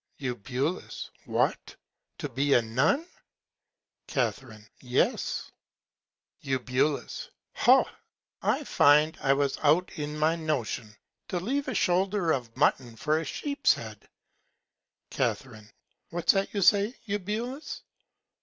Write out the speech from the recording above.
Eu. What, to be a Nun? Ca. Yes. Eu. Ho! I find I was out in my Notion; to leave a Shoulder of Mutton for a Sheep's Head. Ca. What's that you say, Eubulus?